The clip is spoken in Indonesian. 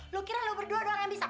lu kira lo berdua doang yang bisa